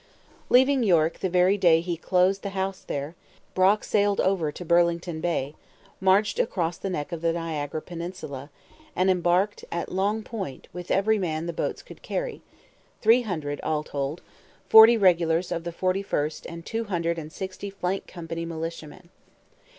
Leaving York the very day he closed the House there, Brock sailed over to Burlington Bay, marched across the neck of the Niagara peninsula, and embarked at Long Point with every man the boats could carry three hundred, all told, forty regulars of the 41st and two hundred and sixty flank company militiamen.